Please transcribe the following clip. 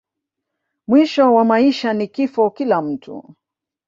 mwisho wa maisha ni kifo kila mtu